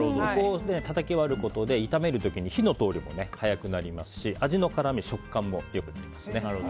たたき割ることで炒める時に火の通りが早くなりますし味の絡み、食感も良くなりますね。